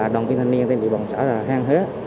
đoàn viên thanh niên tên lý bọn xã hàng hế